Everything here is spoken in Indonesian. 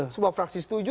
semua fraksi setuju